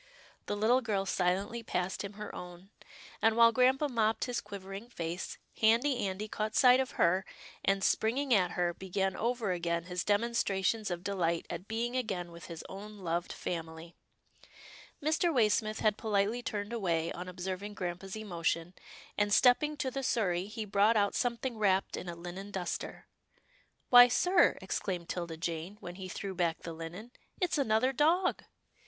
" The little girl silently passed him her own, and while grampa mopped his quivering face, Handy Andy caught sight of her, and, springing at her, began over again his demonstrations of delight at being again with his own loved family. Mr. Waysmith had politely turned away on ob serving grampa's emotion, and, stepping to the sur rey, he brought out something wrapped in a linen duster. " Why, sir," exclaimed 'Tilda Jane when he threw back the linen, it's another dog."